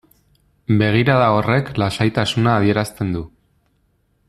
Begirada horrek lasaitasuna adierazten du.